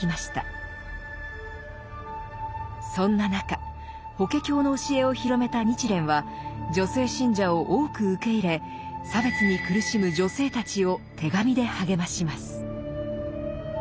そんな中「法華経」の教えを広めた日蓮は女性信者を多く受け入れ差別に苦しむ女性たちを手紙で励まします。